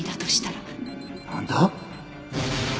なんだ？